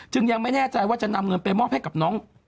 ยังไม่แน่ใจว่าจะนำเงินไปมอบให้กับน้อง